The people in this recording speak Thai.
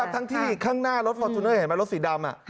ทั้งที่ข้างหน้ารถฟอร์จูเนอร์เห็นไหมรถสีดำ